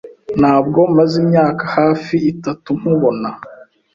Ntabwo maze imyaka hafi itatu nkubona.